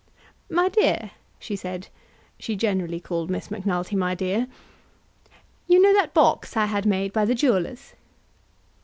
"My dear," she said, she generally called Miss Macnulty my dear, "you know that box I had made by the jewellers."